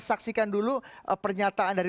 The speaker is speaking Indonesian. saksikan dulu pernyataan dari